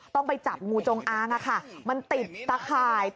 ต้องไปจับงูจงอางมันติดตะข่าย